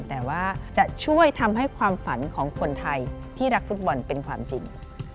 แต่ว่าจะช่วยทำให้ความฝันของคนไทยที่รักฟุตบอลเป็นความจริง